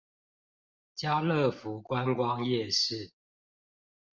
嘉樂福觀光夜市